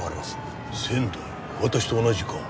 私と同じか。